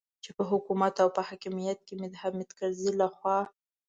چې په حکومت او په حاکمیت کې مې د حامد کرزي لخوا.